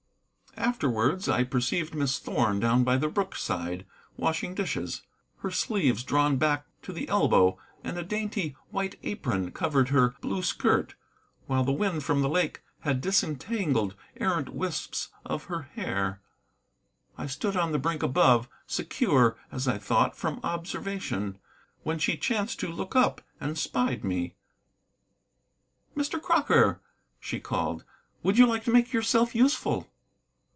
Afterwards I perceived Miss Thorn down by the brookside, washing dishes. Her sleeves were drawn back to the elbow, and a dainty white apron covered her blue skirt, while the wind from the lake had disentangled errant wisps of her hair. I stood on the brink above, secure, as I thought, from observation, when she chanced to look up and spied me. "Mr. Crocker," she called, "would you like to make yourself useful?"